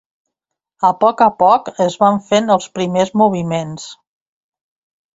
A poc a poc es van fent els primers moviments.